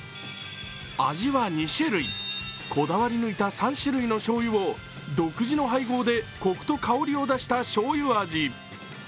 味は２種類、こだわり抜いた３種類のしょうゆを独自の配合でコクと香りを出したしょうゆ味。